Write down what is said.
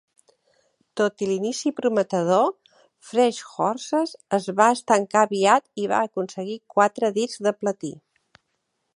Tot i l'inici prometedor, "Fresh Horses" es va estancar aviat, i va aconseguir quatre discs de platí.